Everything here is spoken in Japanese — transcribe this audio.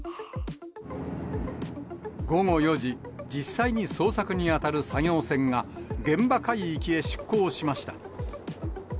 午後４時、実際に捜索に当たる作業船が、現場海域へ出航しました。